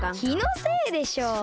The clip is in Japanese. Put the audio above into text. きのせいでしょ。